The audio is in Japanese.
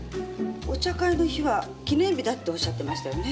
お茶会の日は記念日だっておっしゃってましたよね。